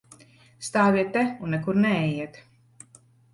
Stāviet te un nekur neejiet!